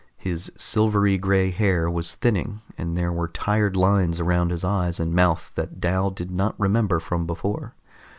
His silvery gray hair was thinning, and there were tired lines around his eyes and mouth that Dal did not remember from before.